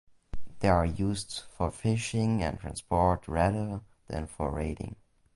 They are used for fishing and transport rather than for raiding.